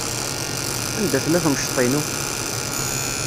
Anda tella temceḍt-inu?